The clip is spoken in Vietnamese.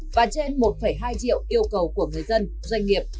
và trên một hai triệu yêu cầu của người dân doanh nghiệp